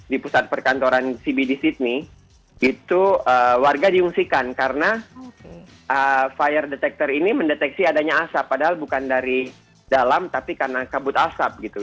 di pusat perkantoran cbd sydney itu warga diungsikan karena fire detector ini mendeteksi adanya asap padahal bukan dari dalam tapi karena kabut asap gitu